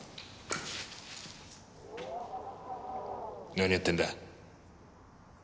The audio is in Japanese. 何やってんだ？